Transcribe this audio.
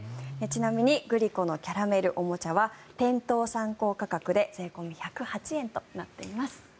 ちなみにグリコのキャラメルおもちゃは店頭参考価格で税込み１０８円となっています。